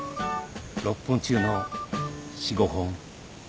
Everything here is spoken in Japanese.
６本中の４５本。